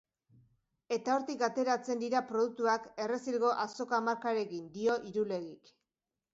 Eta hortik ateratzen dira produktuak Errezilgo Azoka markarekin, dio Irulegik.